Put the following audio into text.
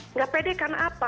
nggak pede karena apa